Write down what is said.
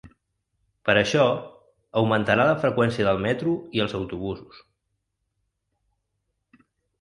Per això, augmentarà la freqüència del metro i els autobusos.